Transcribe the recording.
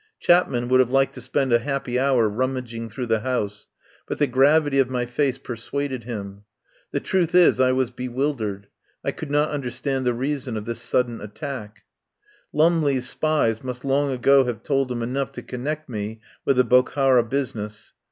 Chapman would have liked to spend a happy hour rummaging through the house, but the gravity of my face persuaded him. The truth is I was bewildered. I could not understand the reason of this sudden attack. 153 THE POWER HOUSE Lumley's spies must long ago have told him enough to connect me with the Bokhara busi ness.